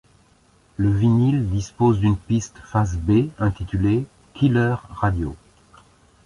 Le vinyle, dispose d'une piste face-b, intitulée Killer Radio.